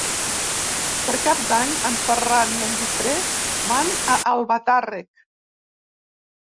Per Cap d'Any en Ferran i en Guifré van a Albatàrrec.